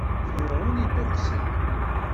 Ferɛun idduqes-d.